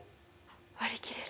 割り切れる！